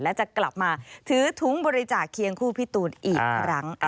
และจะกลับมาถือถุงบริจาคเคียงคู่พี่ตูนอีกครั้ง